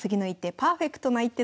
パーフェクトな一手